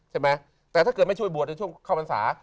ใช่ไหมแต่ถ้าเกิดไม่ช่วยบวชในช่วงเข้าพรรษา